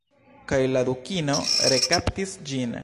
Kaj la Dukino rekaptis ĝin.